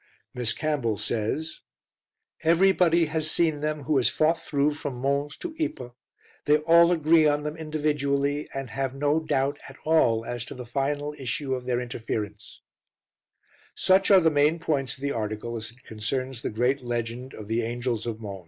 Miss Campbell says: "Everybody has seen them who has fought through from Mons to Ypres; they all agree on them individually, and have no doubt at all as to the final issue of their interference" Such are the main points of the article as it concerns the great legend of "The Angels of Mons."